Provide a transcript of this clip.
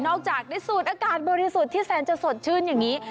จากได้สูดอากาศบริสุทธิ์ที่แสนจะสดชื่นอย่างนี้